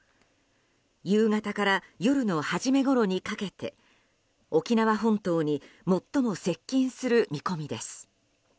夕方から夜の初めごろにかけて沖縄本島に最も接近する見込みです。